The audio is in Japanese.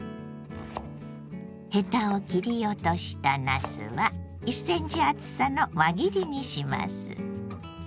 ヘタを切り落としたなすは１ｃｍ厚さの輪切りにします。